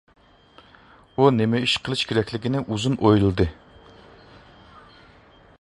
ئۇ نېمە قىلىش كېرەكلىكىنى ئۇزۇن ئويلىدى.